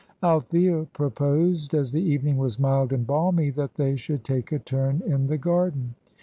Althea proposed, as the evening was mild and balmy, that they should take a turn in the garden.